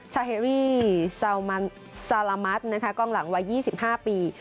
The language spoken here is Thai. ชาเฮรี่ซาลามัสกองหลังวัย๒๕ปี